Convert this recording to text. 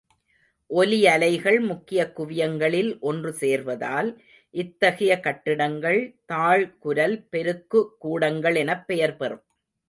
ஒலி அலைகள் முக்கியக் குவியங்களில் ஒன்று சேர்வதால், இத்தகைய கட்டிடங்கள் தாழ்குரல் பெருக்குகூடங்கள் எனப் பெயர் பெறும்.